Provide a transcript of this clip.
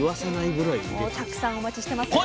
もうたくさんお待ちしてますよ。